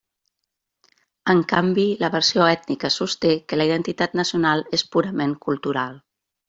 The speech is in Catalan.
En canvi, la versió ètnica sosté que la identitat nacional és purament cultural.